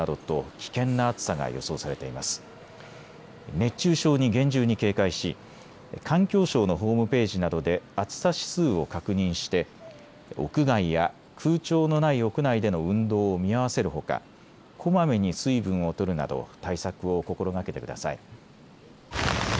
熱中症に厳重に警戒し環境省のホームページなどで暑さ指数を確認して屋外や空調のない屋内での運動を見合わせるほか、こまめに水分をとるなど対策を心がけてください。